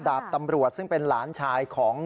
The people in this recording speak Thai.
ดาบตำรวจซึ่งเป็นหลานชายของ